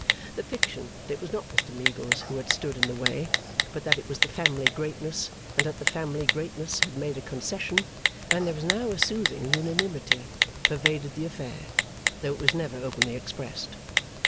The fiction that it was not Mr Meagles who had stood in the way, but that it was the Family greatness, and that the Family greatness had made a concession, and there was now a soothing unanimity, pervaded the affair, though it was never openly expressed.